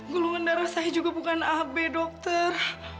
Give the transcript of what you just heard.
gulungan darah saya juga bukan ab dokter